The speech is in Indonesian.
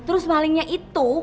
terus malingnya itu